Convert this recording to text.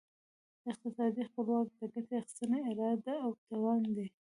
اقتصادي خپلواکي د ګټې اخیستني اراده او توان دی.